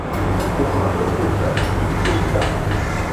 Ухы нықәуҵар, уԥсы ушьап.